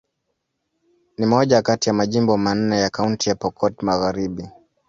Ni moja kati ya majimbo manne ya Kaunti ya Pokot Magharibi.